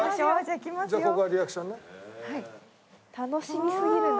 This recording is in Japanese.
楽しみすぎるな。